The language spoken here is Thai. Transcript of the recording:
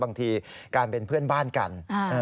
บางทีการเป็นเพื่อนบ้านกัน